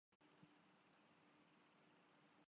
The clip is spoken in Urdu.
روس کے ملک الشعراء “رسول ھمزہ توف“ کی خوبصورت نظم